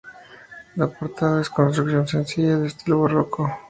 La portada es de construcción sencilla, de estilo barroco.